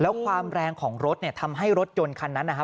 แล้วความแรงของรถเนี่ยทำให้รถยนต์คันนั้นนะฮะ